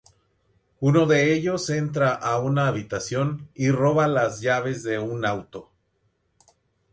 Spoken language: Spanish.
Uno de ellos entra a una habitación y roba las llaves de un auto.